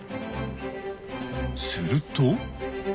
すると。